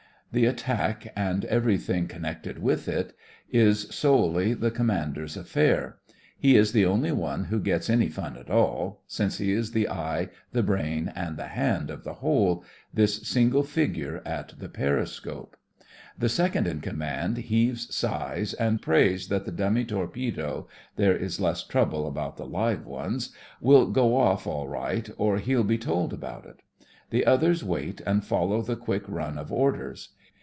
The attack and everything con 66 THE FRINGES OF THE FLEET nected with it is solely the com mander's affair. He is the only one who gets any fun at all — since he is the eye, the brain, and the hand of the whole — this single figure at the periscope. The second in command heaves sighs, and prays that the dummy torpedo (there is less trouble about the live ones) will go off all right, or he'll be told about it. The others wait and follow the quick run of orders.